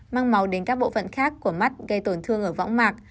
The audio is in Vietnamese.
mang màu đến các bộ phận khác của mắt gây tổn thương ở võng mạc